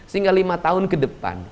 sehingga lima tahun ke depan